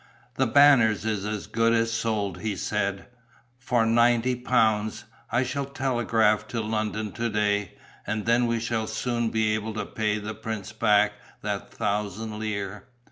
"The Banners is as good as sold," he said. "For ninety pounds. I shall telegraph to London to day. And then we shall soon be able to pay the prince back that thousand lire."